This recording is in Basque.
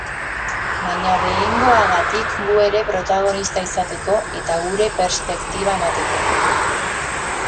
Baina behingoagatik gu ere protagonista izateko, eta gure perspektiba emateko.